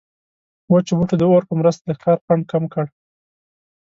وچو بوټو د اور په مرسته د ښکار خنډ کم کړ.